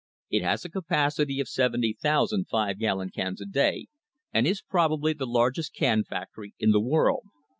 It has a capacity of 70,000 five gallon cans a day, and is probably the largest can factory in the world.